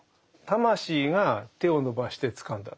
魂が手を伸ばしてつかんだ。